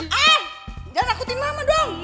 jangan rakutin mama dong